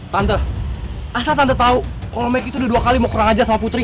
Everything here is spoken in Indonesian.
tante asal tante tau kalo mike itu udah dua kali mau kurang aja sama putri